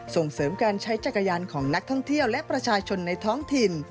ส่งเสริมการใช้จักรยานของนักท่องเที่ยวและประชาชนในท้องถิ่น